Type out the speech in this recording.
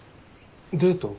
デート？